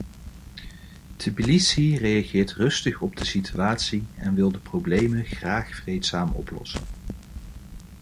Tbilisi reageert rustig op de situatie en wil de problemen graag vreedzaam oplossen.